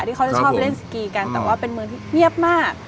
ที่เขาจะชอบเล่นสกีกันแต่ว่าเป็นเมืองที่เงียบมาก